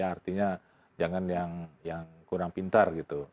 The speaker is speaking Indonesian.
artinya jangan yang kurang pintar gitu